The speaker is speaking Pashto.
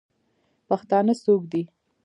پښتانه څوک دئ؟